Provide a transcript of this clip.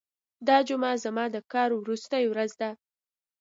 دا جمعه زما د کار وروستۍ ورځ ده.